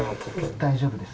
大丈夫です？